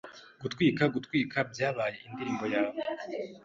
Gutwika ... gutwika ...byabaye indirimbo yawe